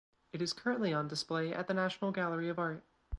It is currently on display at the National Gallery of Art.